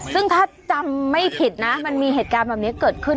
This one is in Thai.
ซึ่งถ้าจำไม่ผิดนะมันมีเหตุการณ์แบบนี้เกิดขึ้น